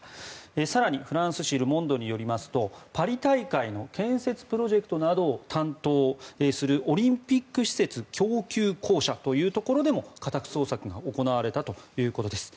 更に、フランス紙ル・モンドによりますとパリ大会の建設プロジェクトなどを担当するオリンピック施設供給公社というところでも家宅捜索が行われたということです。